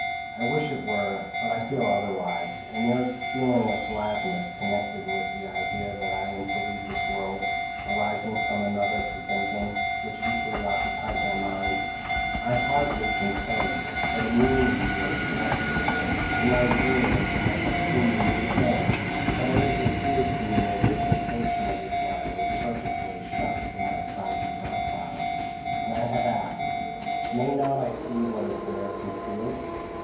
p> "I wish it were; but I feel otherwise, and there is a feeling of gladness connected with the idea that I am to leave this world, arising from another presentiment, which equally occupies my mind." "I hardly can tell you but Amine and you are connected with it. In my dreams I have seen you meet again; but it has appeared to me as if a portion of your trial was purposely shut from my sight in dark clouds; and I have asked, 'May not I see what is there concealed?'